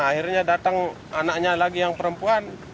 akhirnya datang anaknya lagi yang perempuan